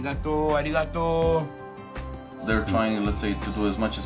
ありがとう！